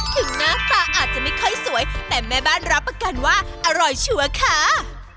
ถึงหน้าตาอาจจะไม่ค่อยสวยแต่แม่บ้านรับประกันว่าอร่อยชัวร์ค่ะ